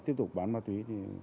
tiếp tục bán ma túy